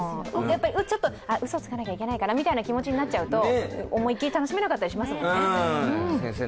ちょっとうそつかなきゃいけないかなみたいな気持ちになっちゃうと思い切り楽しめなかったりしますからね。